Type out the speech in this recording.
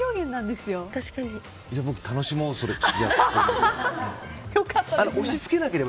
僕、楽しもう、それ。